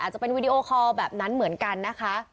อาจจะเป็นวิดีโอคอลแบบนั้นเหมือนกัน